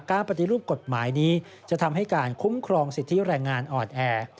ปฏิรูปกฎหมายนี้จะทำให้การคุ้มครองสิทธิแรงงานอ่อนแอ